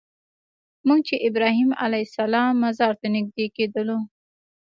موږ چې ابراهیم علیه السلام مزار ته نږدې کېدلو.